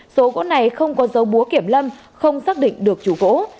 số gỗ này không có dấu búa kiểm lâm không xác định được chủ gỗ